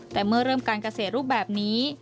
แต่เมื่อเริ่มการเกษตรรูปแบบนี้